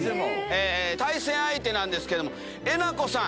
対戦相手なんですけどもえなこさん。